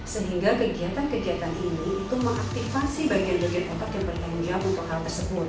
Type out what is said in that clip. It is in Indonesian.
sehingga kegiatan kegiatan ini itu mengaktifasi bagian bagian otak yang bertanggung jawab untuk hal tersebut